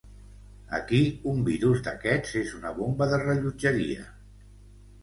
Aquí un virus d’aquests és una bomba de rellotgeria.